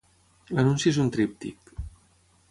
L'anunci és un tríptic.